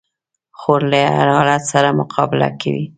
خور له هر حالت سره مقابله کوي.